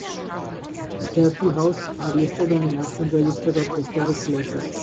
Sturkey House are listed on the National Register of Historic Places.